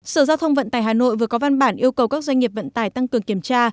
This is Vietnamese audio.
sở giao thông vận tải hà nội vừa có văn bản yêu cầu các doanh nghiệp vận tải tăng cường kiểm tra